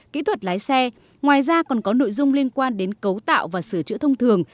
kỹ thuật lái xe ngoài ra còn có nội dung liên quan đến cấu tạo và sửa chữa thông thường